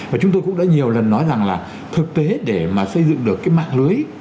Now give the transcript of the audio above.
và chúng tôi cũng đã nhiều lần nói rằng là thực tế để mà xây dựng được cái mạng lưới